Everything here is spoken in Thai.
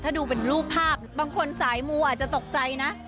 ถ้าดูเป็นรูปภาพบางคนสายมูอาจจะตกใจนะ